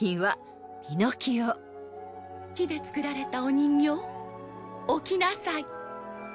「木でつくられたお人形起きなさい」